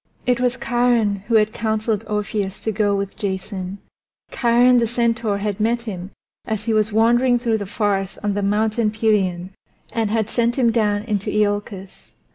It was Chiron who had counseled Orpheus to go with Jason; Chiron the centaur had met him as he was wandering through the forests on the Mountain Pelion and had sent him down into Iolcus.